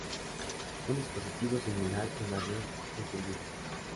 Un dispositivo similar en avión es el yugo.